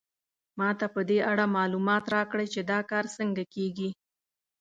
ما ته په دې اړه معلومات راکړئ چې دا کار څنګه کیږي